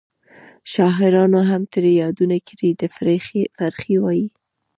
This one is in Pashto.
شاعرانو هم ترې یادونه کړې ده. فرخي وایي: